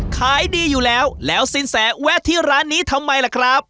ขายดีอยู่แล้วแล้วสินแสแวะที่ร้านนี้ทำไมล่ะครับ